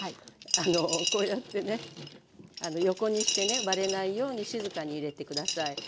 あのこうやってね横にしてね割れないように静かに入れて下さい。